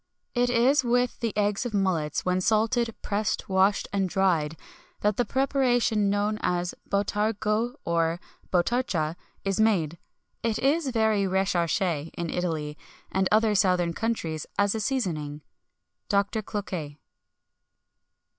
"It is with the eggs of mullets, when salted, pressed, washed, and dried, that the preparation known as botargo or botarcha is made. It is very recherché in Italy, and other southern countries, as a seasoning." DR. CLOQUET.